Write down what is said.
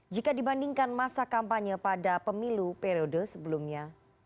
jika dibandingkan masa kampanye pada pemilu periode sebelumnya